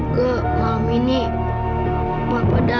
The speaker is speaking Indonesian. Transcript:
gak mau bikin mama susah